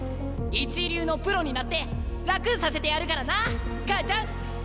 一流のプロになって楽させてやるからな母ちゃん！